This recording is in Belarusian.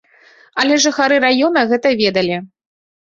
Але жыхары раёна гэта ведалі.